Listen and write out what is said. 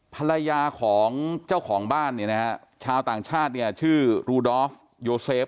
ภรรยาของเจ้าของบ้านเนี่ยนะฮะชาวต่างชาติเนี่ยชื่อรูดอฟโยเซฟ